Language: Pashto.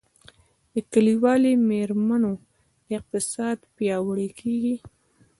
د کلیوالي میرمنو اقتصاد پیاوړی کیږي